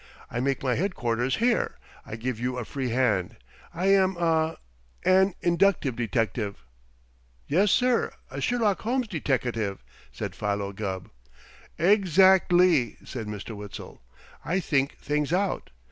I make my headquarters here, I give you a free hand. I am a an inductive detective." "Yes, sir. A Sherlock Holmes deteckative," said Philo Gubb. "Ex act ly!" said Mr. Witzel. "I think things out.